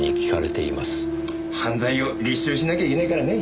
犯罪を立証しなきゃいけないからね。